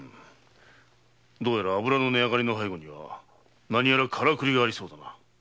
どうやら油の値上げの背後には何やらカラクリがありそうだな。